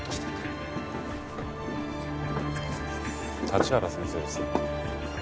立原先生ですね。